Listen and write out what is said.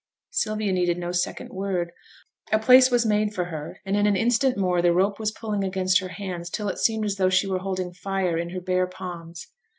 Sylvia needed no second word; a place was made for her, and in an instant more the rope was pulling against her hands till it seemed as though she was holding fire in her bare palms.